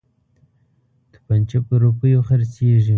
توپنچه په روپیو خرڅیږي.